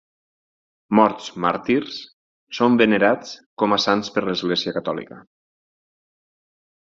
Morts màrtirs, són venerats com a sants per l'Església catòlica.